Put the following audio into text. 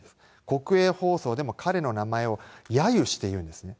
国営放送でも彼の名前をやゆして言うんですね。